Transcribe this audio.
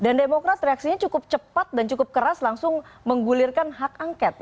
dan demokrat reaksinya cukup cepat dan cukup keras langsung menggulirkan hak angket